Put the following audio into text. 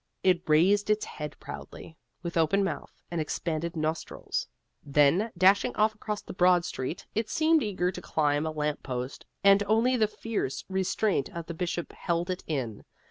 It raised its head proudly, with open mouth and expanded nostrils. Then, dashing off across the broad street, it seemed eager to climb a lamp post, and only the fierce restraint of the Bishop held it in.